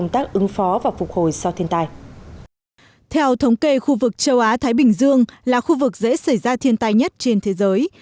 theo thống kê khu vực châu á thái bình dương là khu vực dễ xảy ra thiên tai nhất trên thế giới